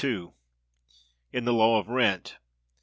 In the law of Rent.